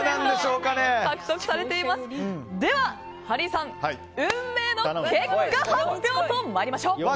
では、ハリーさん運命の結果発表と参りましょう。